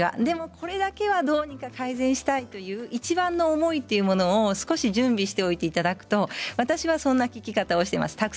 でもこれだけはどうにか改善したいといういちばんの思いというものを少し準備しておいていただくと私はそんな聞き方をしています。